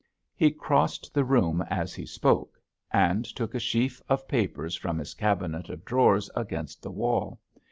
He crossed the room as he spoke, and took a sheaf of papers from his cabinet of drawers against the wall.